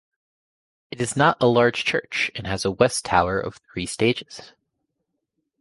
It is not a large church and has a west tower of three stages.